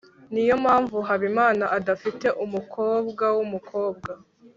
niyo mpamvu habimana adafite umukobwa wumukobwa